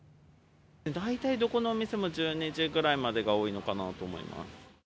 大体、どこのお店も１２時ぐらいまでが多いのかなと思います。